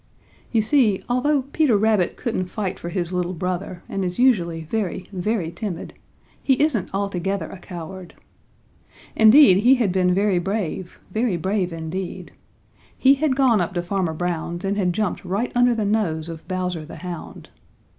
You see, although Peter Rabbit couldn't fight for his little baby brother and is usually very, very timid, he isn't altogether a coward. Indeed, he had been very brave, very brave indeed. He had gone up to Farmer Brown's and had jumped right under the nose of Bowser the Hound.